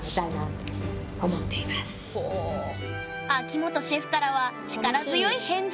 秋元シェフからは力強い返事が。